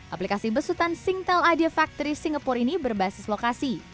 aplikasi besutan singtel idea factory singapura ini berbasis lokasi